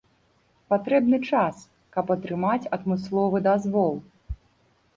Патрэбны час, каб атрымаць адмысловы дазвол.